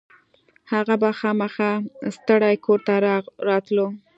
هغه به ماښام ستړی کور ته راتلو